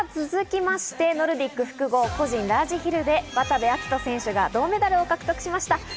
続きまして、ノルディック複合個人ラージヒルで渡部暁斗選手が銅メダルを獲得しました。